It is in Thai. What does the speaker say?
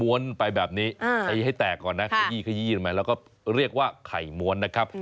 ม้วนไปแบบนี้ให้แตกก่อนนะขยี้หน่อยแล้วก็เรียกว่าไข่ม้วนนะครับ